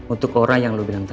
untuk orang yang lo bilang tadi